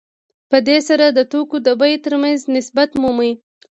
په دې سره د توکو د بیې ترمنځ نسبت مومي